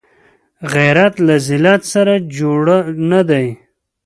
غیرت له ذلت سره جوړ نه دی